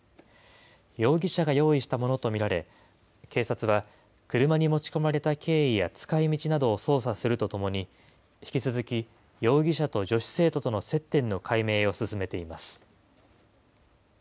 容疑者が用意したものと見られ、警察は車に持ち込まれた経緯や使いみちなどを捜査するとともに、引き続き、容疑者と女子生徒との接点の解明を進めています。